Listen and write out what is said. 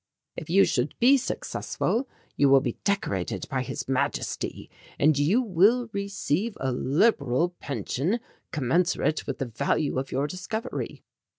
If you should be successful you will be decorated by His Majesty and you will receive a liberal pension commensurate with the value of your discovery."